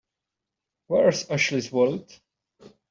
Where's Ashley's wallet?